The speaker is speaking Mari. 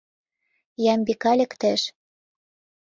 Ямбика лектеш.